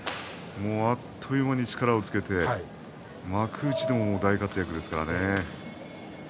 あっという間に力をつけて幕内でも大活躍ですね。